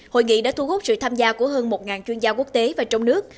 hội nghị đã thu hút sự tham gia của hơn một chuyên gia quốc tế và trong nước